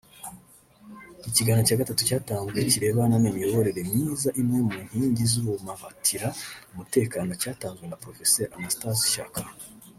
Ikiganiro cya gatatu cyatanzwe kirebana n’Imiyoborere myiza imwe mu nkingi zibumabatira umutekano cyatanzwe na Prof Anastase Shyaka